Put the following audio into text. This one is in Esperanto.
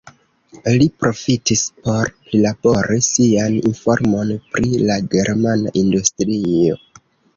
Li profitis por prilabori sian informon pri la germana industrio.